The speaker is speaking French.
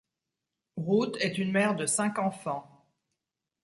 Ruth est une mère de cinq enfants.